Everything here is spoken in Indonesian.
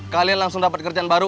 kalian langsung dapat kerjaan baru